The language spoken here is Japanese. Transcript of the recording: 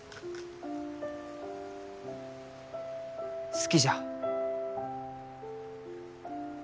好きじゃ。